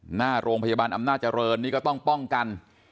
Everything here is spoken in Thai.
หน้าโรงพยาบาลอำนาจเจริญนี่ก็ต้องป้องกัน